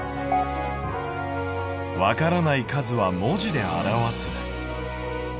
「わからない数は文字で表す」。